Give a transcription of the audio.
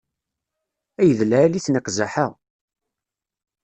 Ay d lɛali-ten iqzaḥ-a!